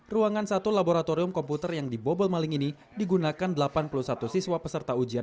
ruangan satu laboratorium komputer yang dibobol maling ini digunakan delapan puluh satu siswa peserta ujian